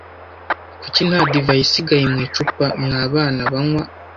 Kuki nta divayi isigaye mu icupa? Mwa bana banywa?